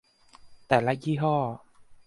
แต่ละยี่ห้อ